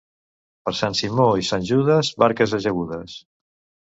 Per Sant Simó i Sant Judes, barques ajagudes.